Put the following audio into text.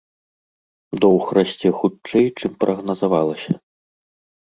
Доўг расце хутчэй, чым прагназавалася.